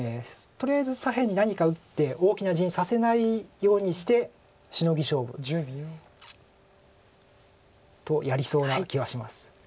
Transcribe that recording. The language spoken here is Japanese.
とりあえず左辺に何か打って大きな地にさせないようにしてシノギ勝負とやりそうな気はします。